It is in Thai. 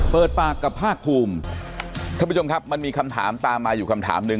เปิดปากกับภาคภูมิท่านผู้ชมครับมันมีคำถามตามมาอยู่คำถามหนึ่ง